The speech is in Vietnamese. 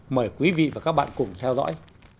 mời quý vị và các bạn cùng theo dõi